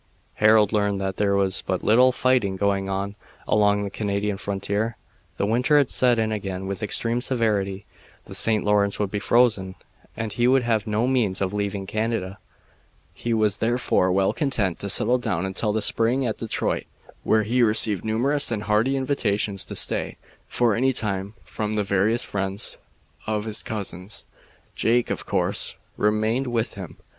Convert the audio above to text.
Harold learned that there was but little fighting going on along the Canadian frontier. The winter had set in again with extreme severity; the St. Lawrence would be frozen, and he would have no means of leaving Canada; he was therefore well content to settle down until the spring at Detroit, where he received numerous and hearty invitations to stay, for any time, from the various friends of his cousins. Jake, of course, remained with him.